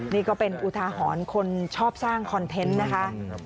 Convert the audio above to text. นี่ก็เป็นอุทาหรณ์คนชอบสร้างคอนเทนต์นะคะ